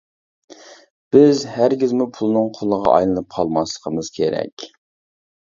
بىز ھەرگىزمۇ پۇلنىڭ قۇلىغا ئايلىنىپ قالماسلىقىمىز كېرەك.